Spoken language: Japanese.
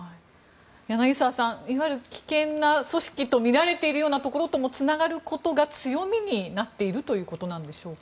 柳澤さんいわゆる危険な組織とみられているようなところとつながることが強みになっているということなんでしょうか。